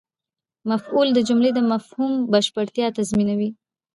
مفعول د جملې د مفهوم بشپړتیا تضمینوي.